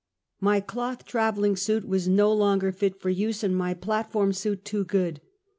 My cloth traveling suit was no longer fit for use, and my platform suit too good.